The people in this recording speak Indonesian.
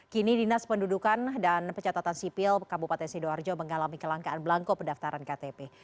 kini dinas pendudukan dan pencatatan sipil kabupaten sidoarjo mengalami kelangkaan belangko pendaftaran ktp